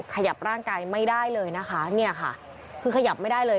ขยับร่างกายไม่ได้เลยนะคะเนี่ยค่ะคือขยับไม่ได้เลย